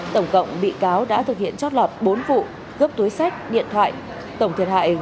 tổng cộng bị cáo đã thực hiện chót lọt bốn vụ gấp túi sách điện thoại tổng thiệt hại gần hai mươi triệu đồng